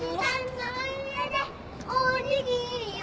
「おにぎりを」